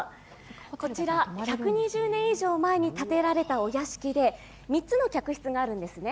こちら１２０年以上前に建てられたお屋敷で３つの客室があるんですね